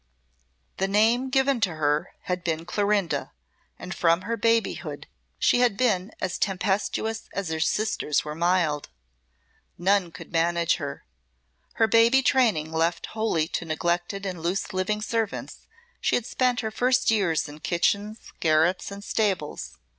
The name given to her had been Clorinda, and from her babyhood she had been as tempestuous as her sisters were mild. None could manage her. Her baby training left wholly to neglected and loose living servants, she had spent her first years in kitchens, garrets, and stables.